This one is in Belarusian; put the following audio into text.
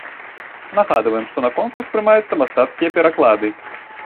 Нагадваем, што на конкурс прымаюцца мастацкія пераклады.